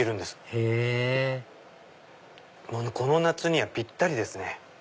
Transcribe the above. へぇこの夏にはぴったりですね。